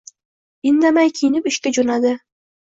Indamay kiyinib, ishga jo`nadi